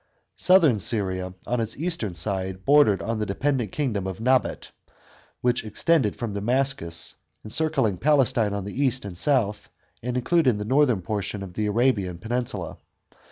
Southern Syria, on its eastern side, bordered on the dependent kingdom of Nabat, which extended from Damascus, encircling Palestine on the east and south, and including the northern portion of the Arabian peninsula.